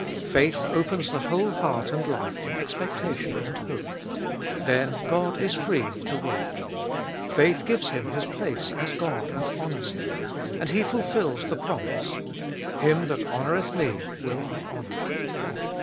Faith opens the whole heart and life in expectation and hope. Then God is free to work; faith gives Him His place as God, and honours Him ; and He fulfils the promise, Him that honoureth Me, will I honour.